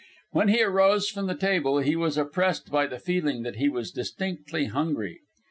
When he arose from the table, he was oppressed by the feeling that he was distinctly hungry.